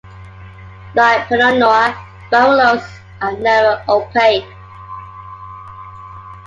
Like Pinot noir, Barolos are never opaque.